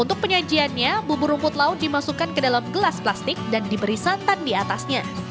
untuk penyajiannya bubur rumput laut dimasukkan ke dalam gelas plastik dan diberi santan di atasnya